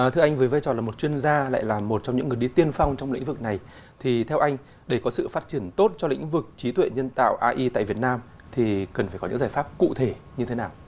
thưa anh với vai trò là một chuyên gia lại là một trong những người đi tiên phong trong lĩnh vực này thì theo anh để có sự phát triển tốt cho lĩnh vực trí tuệ nhân tạo ai tại việt nam thì cần phải có những giải pháp cụ thể như thế nào